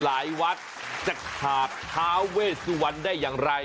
วัดจะขาดท้าเวสวรรณได้อย่างไร